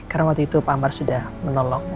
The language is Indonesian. karena waktu itu pak amar sudah menolong